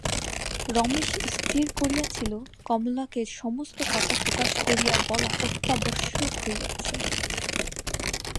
রমেশ স্থির করিয়াছিল, কমলাকে সমস্ত কথা প্রকাশ করিয়া বলা অত্যাবশ্যক হইয়াছে।